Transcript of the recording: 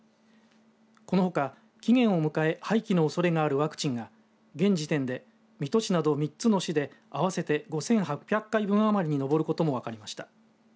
このほか、期限を迎え廃棄のおそれがあるワクチンが現時点で水戸市など３つの市で合わせて５８００回余りに上ることも分かりました。